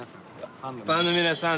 ファンの皆さん。